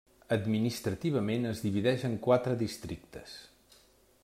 Administrativament es divideix en quatre districtes.